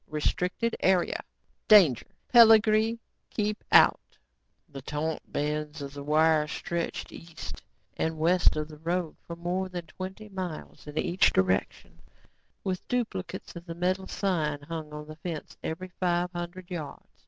Restricted Area. Danger Peligre. Keep Out." The taut bands of wire stretched east and west of the road for more than twenty miles in each direction, with duplicates of the metal sign hung on the fence every five hundred yards.